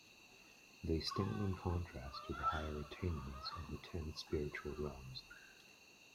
They stand in contrast to the higher attainments of the Ten spiritual realms.